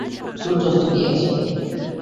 সূর্য অস্ত গিয়েছে।